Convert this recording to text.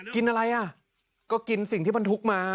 กินอะไรอ่ะก็กินสิ่งที่บรรทุกมา